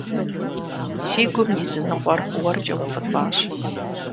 Си гум и зы ныкъуэр уэркӀэ уфӀыцӀащ.